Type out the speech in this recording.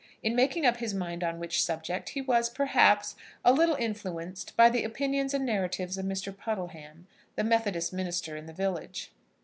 In making up his mind on which subject he was, perhaps, a little influenced by the opinions and narratives of Mr. Puddleham, the Methodist minister in the village.